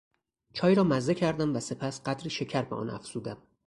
چای را مزه کردم و سپس قدری شکر به آن افزودم.